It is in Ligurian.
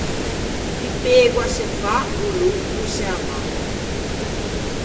Chi pegoa se fa o lô o se â mangia.